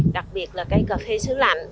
đặc biệt là cây cà phê xứ lạnh